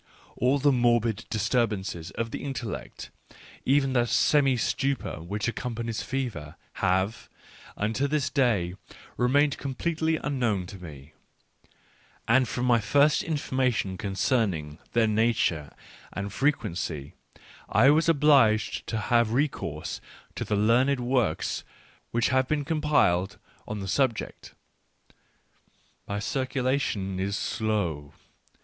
All the morbid disturbances of the intellect, even that semi stupor which accompanies fever, have, unto this day, remained completely unknown to me; and for my first information concerning their nature and frequency, I was obliged to have recourse to the learned works which have been compiled on the Digitized by Google WHY I AM SO WISE II subject. My circulation is slow.